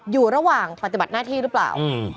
อยู่ระหว่างปฏิบัติหน้าที่หรือเปล่า